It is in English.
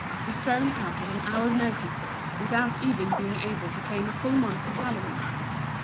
to be thrown out at an hour's notice, without even being able to claim a full month's salary.